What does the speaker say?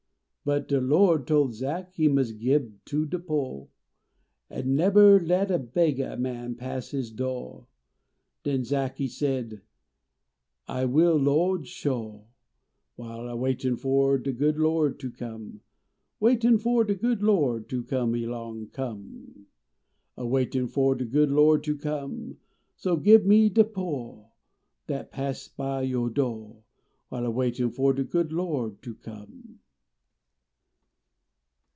But de Lo d told Zach he inns gib to de po En neber let a beggah man pass his do . Den Zach he said :" 1 will Lo d sho ," While a waitin fo de good Lo d ler come. Waitin fo de good Lo d ter come elong come. A waitin fo de good Lo d ter come. So gib me de po Dal pass by yo do , While a waitin fo de good Lo d ter come.